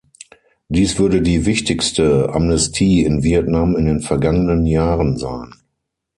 Dies würde die wichtigste Amnestie in Vietnam in den vergangenen Jahren sein.